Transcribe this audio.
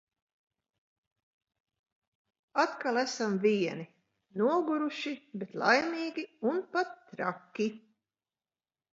Atkal esam vieni, noguruši, bet laimīgi un pat traki!